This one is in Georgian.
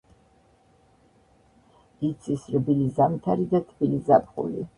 იცის რბილი ზამთარი და თბილი ზაფხული.